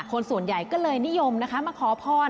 คนส่วนใหญ่ก็เลยนิยมนะคะมาขอพร